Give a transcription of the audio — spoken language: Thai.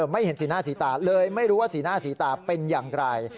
ไม่เห็นสีหน้าสีตาเลยไม่รู้ว่าสีหน้าสีตาเป็นอย่างไร